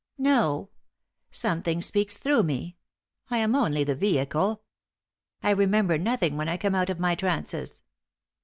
"No. Something speaks through me; I am only the vehicle. I remember nothing when I come out of my trances."